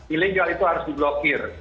ilegal itu harus diglokir